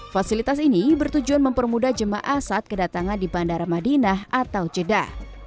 fasilitas ini bertujuan mempermudah jemaah saat kedatangan di bandara madinah atau jeddah